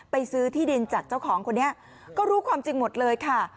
ซื้อที่ดินจากเจ้าของคนนี้ก็รู้ความจริงหมดเลยค่ะ